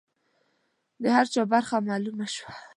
د هر چا برخه معلومه شوه.